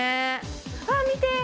ああ、見て！